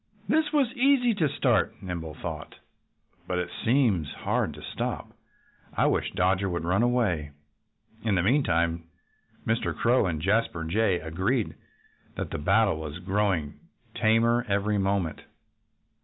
"This was easy to start," Nimble thought, "but it seems hard to stop. I wish Dodger would run away." In the meantime Mr. Crow and Jasper Jay agreed that the battle was growing tamer every moment.